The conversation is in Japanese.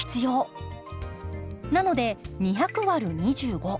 なので２００÷２５。